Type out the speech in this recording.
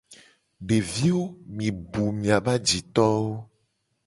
Deviwo mi bu miabe ajitowo.